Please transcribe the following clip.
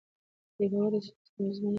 بې باورۍ اصلاح ستونزمنه کوي